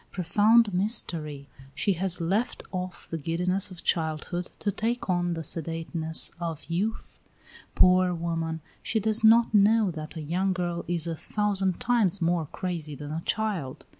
Profound mystery! She has left off the giddiness of childhood to take on the sedateness of youth. Poor woman! she does not know that a young girl is a thousand times more crazy than a child.